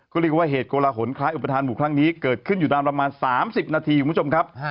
ก็เรียกว่าเหตุโกลหนคล้ายอุปทานหมู่ครั้งนี้เกิดขึ้นอยู่ตามประมาณ๓๐นาทีคุณผู้ชมครับ